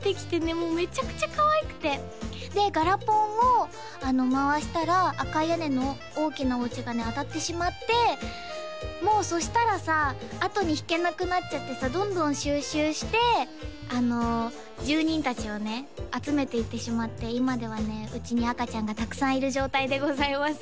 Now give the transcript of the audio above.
もうめちゃくちゃかわいくてでガラポンを回したら赤い屋根の大きなお家がね当たってしまってもうそしたらさあとに引けなくなっちゃってさどんどん収集して住人達をね集めていってしまって今ではねうちに赤ちゃんがたくさんいる状態でございます